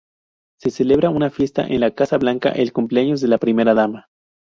Se celebra una fiesta en la Casa Blanca: el cumpleaños de la Primera Dama.